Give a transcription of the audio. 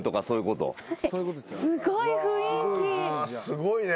すごいね。